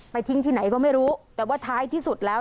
ทิ้งที่ไหนก็ไม่รู้แต่ว่าท้ายที่สุดแล้ว